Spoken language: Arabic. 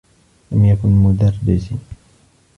لم يكن مدرّسي.